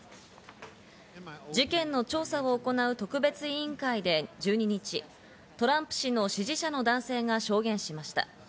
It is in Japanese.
事件の調査を行う特別委員会で１２日、トランプ氏の支持者の男性が証言しました。